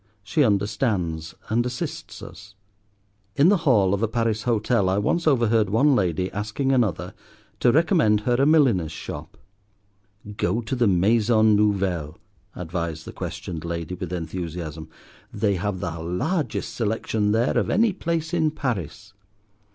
She understands, and assists us. In the hall of a Paris hotel I once overheard one lady asking another to recommend her a milliner's shop. "Go to the Maison Nouvelle," advised the questioned lady, with enthusiasm. "They have the largest selection there of any place in Paris."